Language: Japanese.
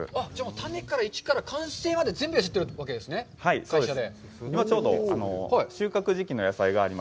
種から、一から完成まで全部やっているわけですね、会社で。